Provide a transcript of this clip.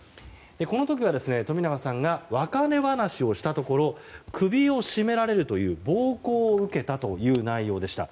この時は、冨永さんが別れ話をしたところ首を絞められるという暴行を受けたという内容でした。